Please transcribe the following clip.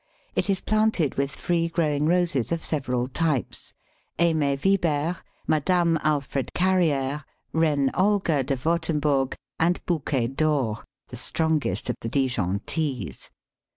It is planted with free growing Roses of several types Aimée Vibert, Madame Alfred Carrière, Reine Olga de Wurtemburg, and Bouquet d'Or, the strongest of the Dijon teas.